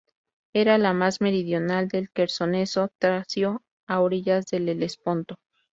Era la más meridional del Quersoneso tracio, a orillas del Helesponto.